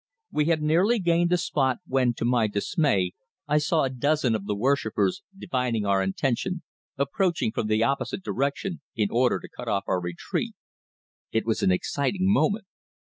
We had nearly gained the spot when to my dismay I saw a dozen of the worshippers, divining our intention, approaching from the opposite direction in order to cut off our retreat. It was an exciting moment.